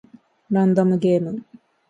ランダムゲーム